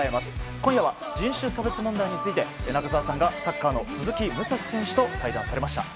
今夜は人種差別問題について中澤さんがサッカーの鈴木武蔵選手と対談されました。